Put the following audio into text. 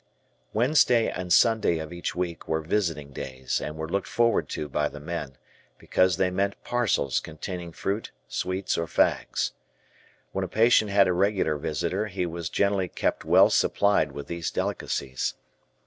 Wednesday and Sunday of each week were visiting days and were looked forward to by the men, because they meant parcels containing fruit, sweets, or fags. When a patient had a regular visitor, he was generally kept well supplied with these delicacies.